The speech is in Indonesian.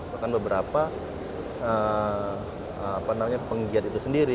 bahkan beberapa penggiat itu sendiri